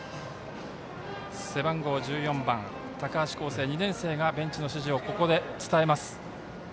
背番号１４番高橋巧成、２年生がベンチの指示をここで伝えます。